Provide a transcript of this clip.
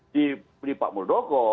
di beli pak muldoko